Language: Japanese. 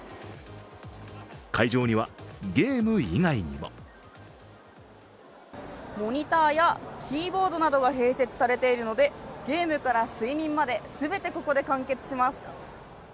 会場には、ゲーム以外にもモニターやキーボードなどが併設されているのでゲームから睡眠まで全てここで完結します。